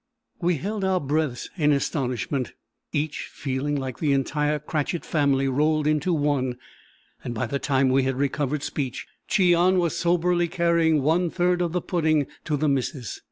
We held our breaths in astonishment, each feeling like the entire Cratchit family rolled into one, and by the time we had recovered speech, Cheon was soberly carrying one third of the pudding to the missus.